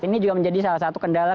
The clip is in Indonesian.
ini juga menjadi salah satu kendala